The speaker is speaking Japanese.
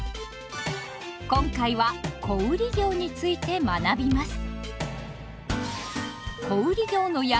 今回は「小売業」について学びます。